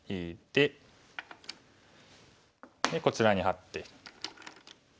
でこちらにハッて。